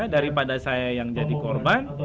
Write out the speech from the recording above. daripada saya yang jadi korban